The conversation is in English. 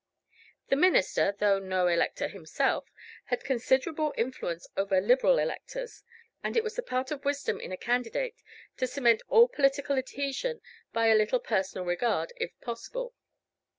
The minister, though no elector himself, had considerable influence over Liberal electors, and it was the part of wisdom in a candidate to cement all political adhesion by a little personal regard, if possible.